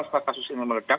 setelah kasus ini meledak